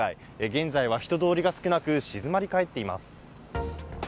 現在は人通りが少なく、静まり返っています。